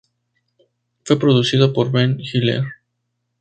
Fue producido por Ben Hillier.